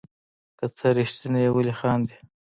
که ته ريښتيني يي ولي خاندي